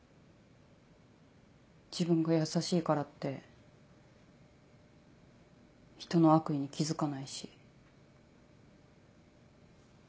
自分が優しいからって人の悪意に気付かないし。